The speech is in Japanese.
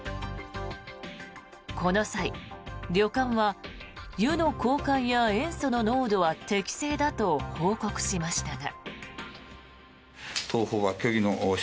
この際、旅館は湯の交換や塩素の濃度は適正だと報告しましたが。